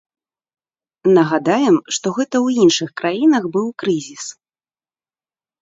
Нагадаем, што гэта ў іншых краінах быў крызіс.